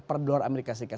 per dolar amerika serikat